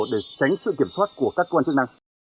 để tránh sự kiểm soát của các cơ quan chức năng